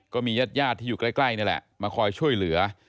ก็มีญาติญาติที่อยู่ใกล้นี่แหละมาคอยช่วยเหลือ